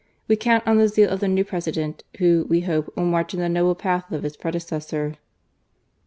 We count on the zeal of the new President, who, we hope, will march in the noble path of his pre decessor."